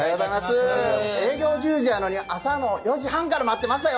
営業１０時なのに、朝の４時半から待ってましたよ。